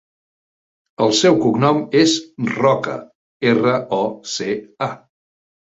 El seu cognom és Roca: erra, o, ce, a.